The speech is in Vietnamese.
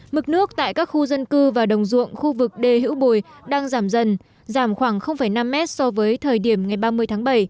mực nước tại các khu dân cư và đồng ruộng khu vực đề hữu bùi đang giảm dần giảm khoảng năm mét so với thời điểm ngày ba mươi tháng bảy